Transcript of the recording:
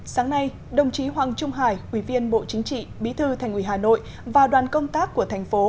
sáng nay đồng chí hoàng trung hải ủy viên bộ chính trị bí thư thành ủy hà nội và đoàn công tác của thành phố